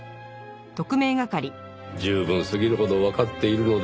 十分すぎるほどわかっているのでしょう。